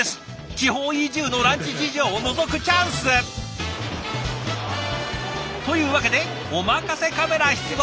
地方移住のランチ事情をのぞくチャンス！というわけでお任せカメラ出動！